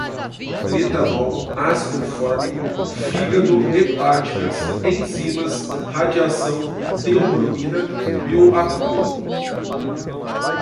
metanol, ácido fórmico, fígado, hepáticas, enzimas, radiação, teobromina, bioacumulam